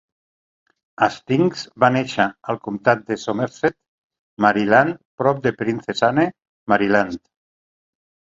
Hastings va néixer al comtat de Somerset, Maryland, prop de Princess Anne, Maryland.